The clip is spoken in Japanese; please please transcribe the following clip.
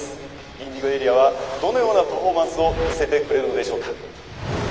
ＩｎｄｉｇｏＡＲＥＡはどのようなパフォーマンスを見せてくれるのでしょうか。